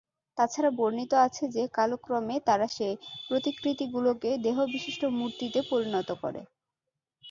তাছাড়া বর্ণিত আছে যে, কালক্রমে তারা সে প্রতিকৃতিগুলোকে দেহবিশিষ্ট মূর্তিতে পরিণত করে।